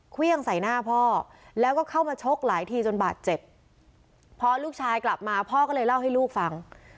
เครื่องใส่หน้าพ่อแล้วก็เข้ามาชกหลายทีจนบาดเจ็บพอลูกชายกลับมาพ่อก็เลยเล่าให้ลูกฟัง